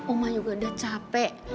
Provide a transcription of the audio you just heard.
oma juga udah capek